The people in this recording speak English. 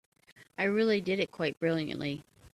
I really did it quite brilliantly.